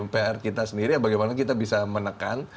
pr kita sendiri bagaimana kita bisa menekan